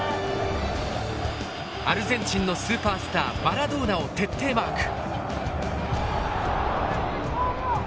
アルゼンチンのスーパースターマラドーナを徹底マーク。